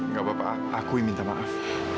gak apa apa aku yang minta maaf